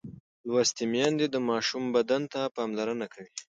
لوستې میندې د ماشوم بدن ته پاملرنه کوي.